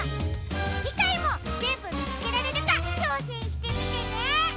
じかいもぜんぶみつけられるかちょうせんしてみてね！